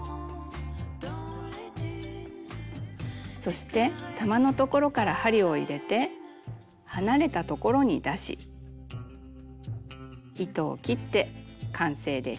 そして玉のところから針を入れて離れたところに出し糸を切って完成です。